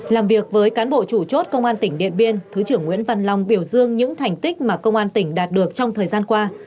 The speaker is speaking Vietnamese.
làm việc với cán bộ chủ chốt công an tỉnh điện biên thứ trưởng nguyễn văn long biểu dương những thành tích mà công an tỉnh đạt được trong thời gian qua